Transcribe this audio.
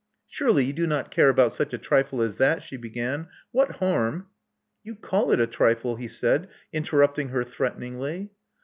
*' Surely you do not care about such a trifle as that," she began. "What harm " "You call it a trifle," he said, interrupting her threateningly.